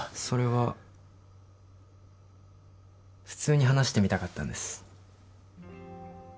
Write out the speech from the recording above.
それは普通に話してみたかったんです。